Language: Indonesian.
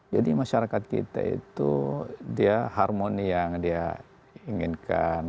jadi masyarakat kita itu dia harmoni yang dia inginkan